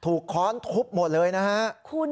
ถูกค้อนทุบหมดเลยนะครับ